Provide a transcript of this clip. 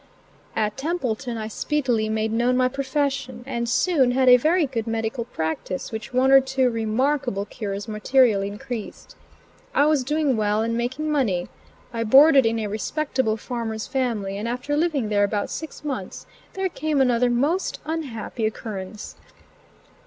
At Templeton I speedily made known my profession, and soon had a very good medical practice which one or two "remarkable cures" materially increased. I was doing well and making money. I boarded in a respectable farmer's family, and after living there about six months there came another most unhappy occurrence.